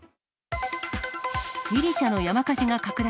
ギリシャの山火事が拡大。